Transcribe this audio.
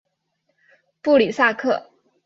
布里萨克。